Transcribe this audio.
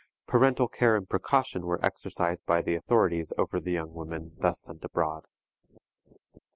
Parental care and precaution were exercised by the authorities over the young women thus sent abroad.